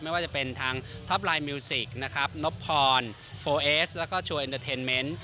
ไม่ว่าจะเป็นทางท็อปไลน์มิวสิกนะครับนบพรโฟเอสแล้วก็ชวนเอ็นเตอร์เทนเมนต์